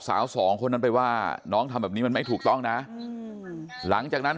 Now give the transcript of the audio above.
สาวสองคนนั้นไปว่าน้องทำแบบนี้มันไม่ถูกต้องนะหลังจากนั้น